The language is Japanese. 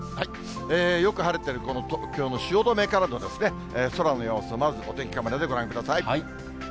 よく晴れてるこの東京の汐留からの空の様子をまず、お天気カメラでご覧ください。